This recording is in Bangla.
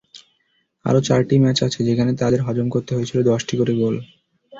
আরও চারটি ম্যাচ আছে যেখানে তাদের হজম করতে হয়েছিল দশটি করে গোল।